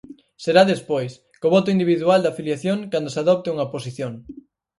Será despois, co voto individual da afiliación cando se adopte unha posición.